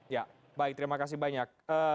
ya baik terima kasih banyak